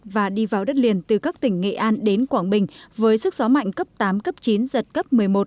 và đi vào đất liền từ các tỉnh nghệ an đến quảng bình với sức gió mạnh cấp tám cấp chín giật cấp một mươi một